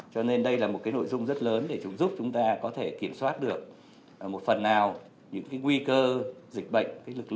cho nên đây là một nội dung rất lớn để giúp chúng ta có thể kiểm soát được một phần nào những nguy cơ dịch bệnh